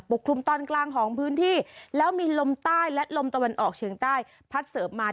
กลุ่มตอนกลางของพื้นที่แล้วมีลมใต้และลมตะวันออกเฉียงใต้พัดเสริมมา